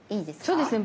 そうですね。